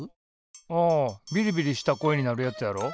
ああびりびりした声になるやつやろ。